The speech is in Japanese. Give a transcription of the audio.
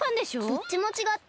どっちもちがった。